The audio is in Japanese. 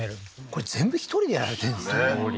これ全部１人でやられてるんですね